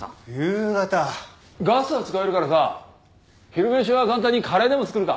ガスは使えるからさ昼飯は簡単にカレーでも作るか。